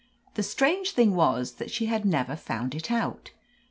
The strange thing was that she had never found it out.